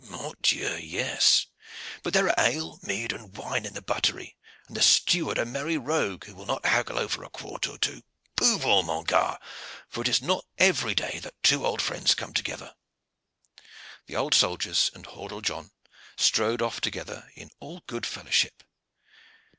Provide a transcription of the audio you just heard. "Mort Dieu! yes. But there are ale, mead, and wine in the buttery, and the steward a merry rogue, who will not haggle over a quart or two. Buvons, mon gar., for it is not every day that two old friends come together." The old soldiers and Hordle John strode off together in all good fellowship.